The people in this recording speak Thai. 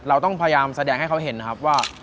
เราต้องพยายามแสดงให้เขาเห็นนะครับว่า